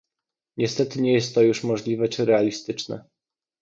Niestety nie jest to już możliwe czy realistyczne